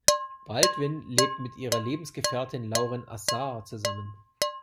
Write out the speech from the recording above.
Baldwin lebt mit ihrer Lebensgefährtin Lauren Azar zusammen.